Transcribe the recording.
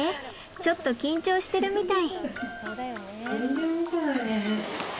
ちょっと緊張してるみたい。